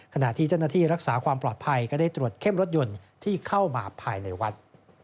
ขณะที่เจ้าหน้าที่รักษาความปลอดภัยก็ได้ตรวจเข้มรถยนต์ที่เข้ามาภายในวัด